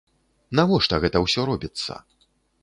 Навошта гэта ўсё робіцца?